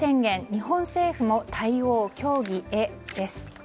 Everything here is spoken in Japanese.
日本政府も対応協議へ、です。